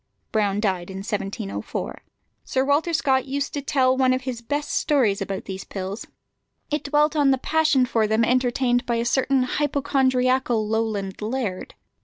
Brown died in 1704. Sir Walter Scott used to tell one of his best stories about these pills. It dwelt on the passion for them entertained by a certain hypochondriacal Lowland laird.